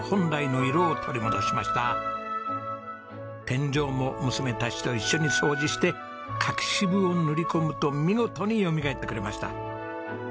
天井も娘たちと一緒に掃除して柿渋を塗り込むと見事によみがえってくれました。